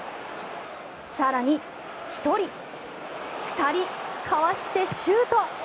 更に１人、２人、かわしてシュート！